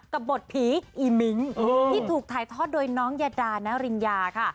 กับบทผีอีมิ้งที่ถูกถ่ายทอดโดยน้องยาดานาริญญาค่ะ